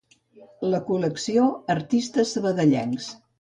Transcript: La col·lecció "Artistes sabadellencs".